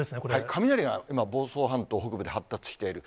雷が今、房総半島北部で発達している。